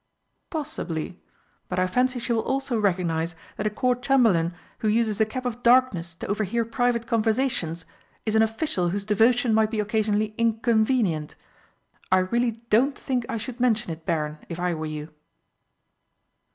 "Possibly but I fancy she will also recognise that a Court Chamberlain who uses a cap of darkness to overhear private conversations is an official whose devotion might be occasionally inconvenient. I really don't think I should mention it, Baron, if I were you."